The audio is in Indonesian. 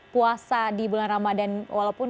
puasa di bulan ramadan walaupun